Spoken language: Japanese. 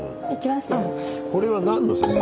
これは何の写真？